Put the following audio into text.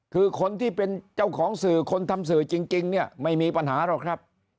คือคนที่เป็นเจ้าของสื่อคนทำสื่อจริงเนี่ยไม่มีปัญหาหรอกครับ